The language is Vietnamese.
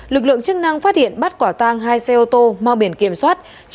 lực lượng chức năng phát hiện bắt quả tang hai xe ô tô mang biển kiểm soát